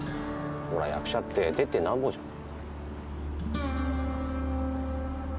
ほら役者って出てなんぼじゃん。